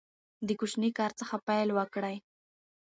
د کوچني کار څخه پیل وکړئ.